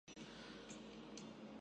苏小小死后葬于西湖西泠桥畔。